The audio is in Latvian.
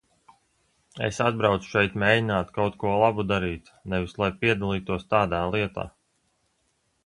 Es atbraucu šeit mēģināt kaut ko labu darīt, nevis lai piedalītos tādā lietā.